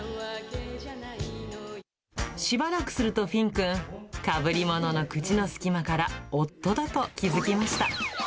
しばらくするとフィンくん、かぶりものの口の隙間から、夫だと気づきました。